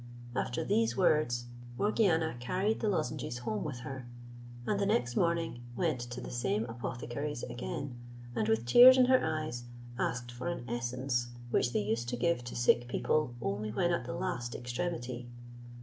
After these words, Morgiana carried the lozenges home with her, and the next morning went to the same apothecary's again, and with tears in her eyes, asked for an essence which they used to give to sick people only when at the last extremity.